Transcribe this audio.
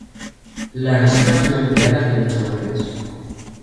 Las Reservas son empleadas de muchas maneras.